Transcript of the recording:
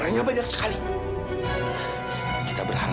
ini mah kesemuanya itu lho